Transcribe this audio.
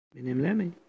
Benimle mi?